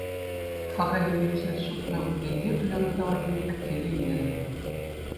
Хака йӳнетсе сутнӑ кунсенче туяннӑ таварсене кӗтсе илеймерӗ.